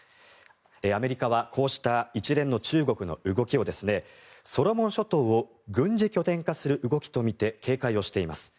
アメリカはこうした一連の中国の動きをソロモン諸島を軍事拠点化する動きとみて警戒をしています。